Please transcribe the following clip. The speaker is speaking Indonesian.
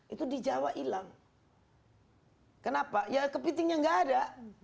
itu di jawa hilang kenapa ya kepitingnya nggak ada